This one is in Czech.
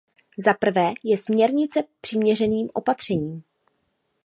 Zaprvé, je směrnice přiměřeným opatřením?